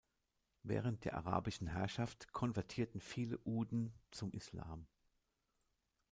Während der arabischen Herrschaft konvertierten viele Uden zum Islam.